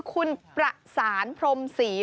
คุณประสานพรมศรี